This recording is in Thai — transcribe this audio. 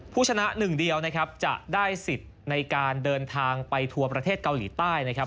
ผู้ชนะหนึ่งเดียวนะครับจะได้สิทธิ์ในการเดินทางไปทัวร์ประเทศเกาหลีใต้นะครับ